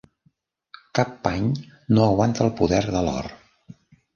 Cap pany no aguanta el poder de l'or.